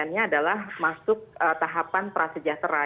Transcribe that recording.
nah ini juga adalah tahapan prasejahtera